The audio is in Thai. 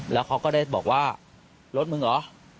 แล้วเขาก็ได้บอกว่ารถมึงเหรอ